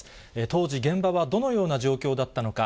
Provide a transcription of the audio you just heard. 当時、現場はどのような状況だったのか。